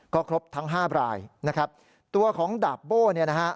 ก็ครบทั้ง๕รายนะครับตัวของดาบโบ้เนี่ยนะฮะ